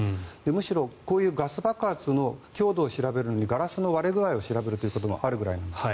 むしろこういう爆発の強度を調べるのに、ガラスの割れ具合を調べることもあるぐらいです。